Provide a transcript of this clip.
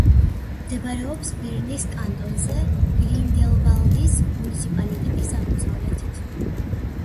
მდებარეობს ბერნის კანტონში, გრინდელვალდის მუნიციპალიტეტის აღმოსავლეთით.